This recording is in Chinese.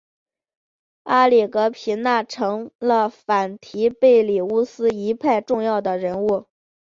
阿格里皮娜成了反提贝里乌斯一派的重要人物。